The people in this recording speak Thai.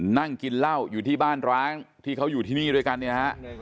นั่งกินเหล้าอยู่ที่บ้านร้างที่เขาอยู่ที่นี่ด้วยกันเนี่ยฮะ